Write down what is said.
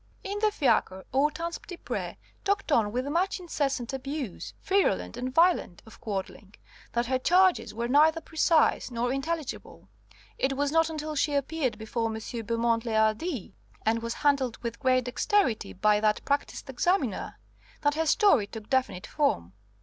In the fiacre Hortense Petitpré talked on with such incessant abuse, virulent and violent, of Quadling, that her charges were neither precise nor intelligible. It was not until she appeared before M. Beaumont le Hardi, and was handled with great dexterity by that practised examiner, that her story took definite form.